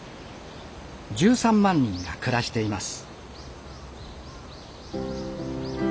１３万人が暮らしています。